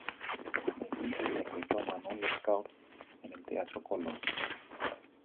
Allí interpretó "Manon Lescaut" en el Teatro Colón.